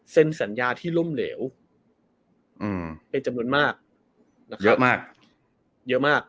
เซ็นสัญญาที่ล้มเหลวอืมเป็นจำนวนมากนะครับเยอะมากเยอะมาก